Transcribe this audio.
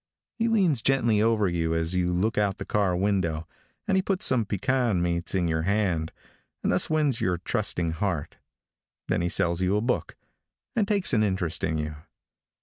He leans gently over you as you look out the car window, and he puts some pecan meats in your hand, and thus wins your trusting heart. Then he sells you a book, and takes an interest in you.